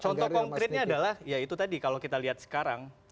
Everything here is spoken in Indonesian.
contoh konkretnya adalah ya itu tadi kalau kita lihat sekarang